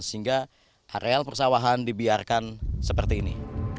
sehingga areal persawahan dibiarkan seperti ini